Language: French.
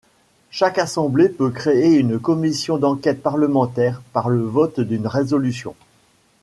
Chaque assemblée peut créer une commission d’enquête parlementaire par le vote d’une résolution.